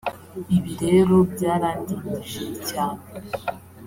Ibi rero byarandindije cyane